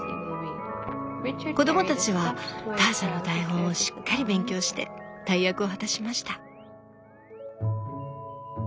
子供たちはターシャの台本をしっかり勉強して大役を果たしました。